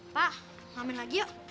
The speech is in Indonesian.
pak ngamen lagi yuk